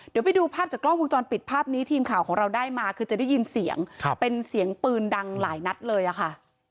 เดี๋ยวไปดูภาพจากกล้องวงจรปิดภาพนี้ทีมข่าวของเราได้มาคือจะได้ยินเสียงเป็นเสียงปืนดังหลายนัดเลยอะค่ะ